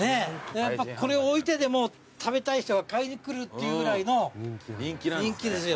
やっぱこれを置いてでも食べたい人が買いに来るっていうぐらいの人気ですよ。